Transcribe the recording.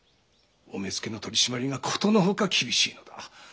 お目付の取り締まりがことのほか厳しいのだ。